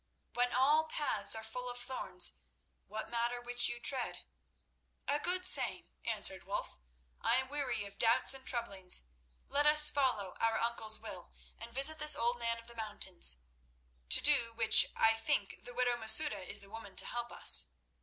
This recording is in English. When all paths are full of thorns what matter which you tread?" "A good saying," answered Wulf. "I am weary of doubts and troublings. Let us follow our uncle's will, and visit this Old Man of the Mountains, to do which I think the widow Masouda is the woman to help us.